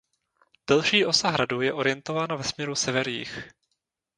Delší osa hradu je orientována ve směru sever–jih.